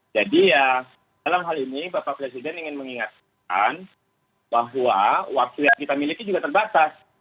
jadi ya dalam hal ini bapak presiden ingin mengingatkan bahwa waktu yang kita miliki juga terbatas